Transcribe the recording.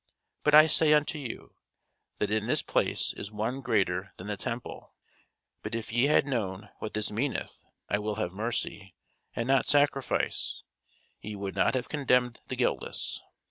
But I say unto you, That in this place is one greater than the temple. But if ye had known what this meaneth, I will have mercy, and not sacrifice, ye would not have condemned the guiltless.